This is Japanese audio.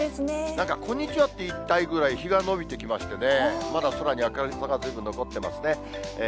なんか、こんにちはって言いたいくらい、日が伸びてきましてね、まだ空に明るいのがずいぶん残ってますね。